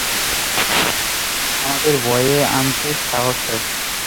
আমাদের ভয়ে আনতে সাহস হয় না।